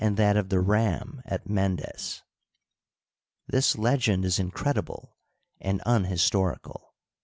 that of the ram at Mendes, This legend is incredible and unhistorical.